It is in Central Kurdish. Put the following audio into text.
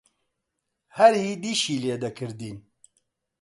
هەر هەیدیشی لێ دەکردین: